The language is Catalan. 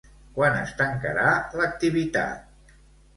Quan es tancarà l'activitat?